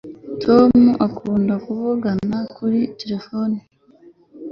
Tom akunda kuvugana kuri terefone